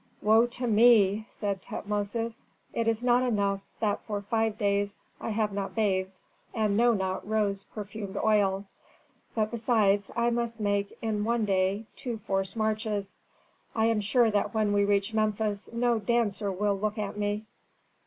"Woe to me!" said Tutmosis. "It is not enough that for five days I have not bathed and know not rose perfumed oil, but besides I must make in one day two forced marches. I am sure that when we reach Memphis no dancer will look at me."